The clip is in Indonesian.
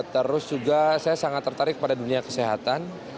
terus juga saya sangat tertarik pada dunia kesehatan